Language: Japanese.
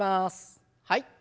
はい。